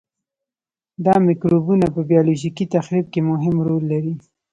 دا مکروبونه په بیولوژیکي تخریب کې مهم رول لري.